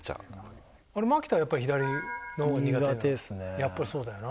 やっぱりそうだよな。